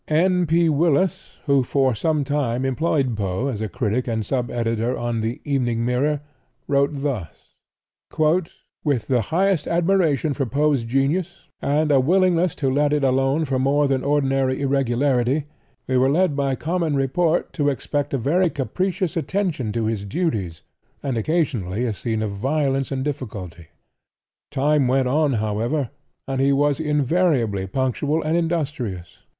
N. P. Willis, who for some time employed Poe as critic and sub editor on the "Evening Mirror," wrote thus: "With the highest admiration for Poe's genius, and a willingness to let it alone for more than ordinary irregularity, we were led by common report to expect a very capricious attention to his duties, and occasionally a scene of violence and difficulty. Time went on, however, and he was invariably punctual and industrious.